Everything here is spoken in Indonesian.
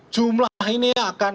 jumlah ini akan